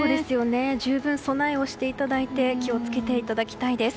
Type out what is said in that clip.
十分備えをしていただいて気を付けていただきたいです。